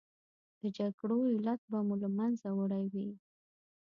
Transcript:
د جګړو علت به مو له منځه وړی وي.